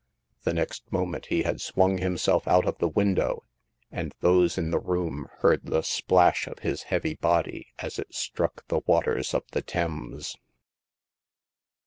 " The next moment he had swung himself out of the window, and those in the room heard the splash of his heavy body as it struck the waters of the Thames.